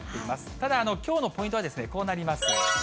ただきょうのポイントはですね、こうなります。